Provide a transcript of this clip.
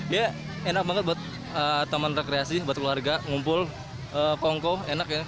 ya enak banget buat taman rekreasi buat keluarga ngumpul kongko enak ya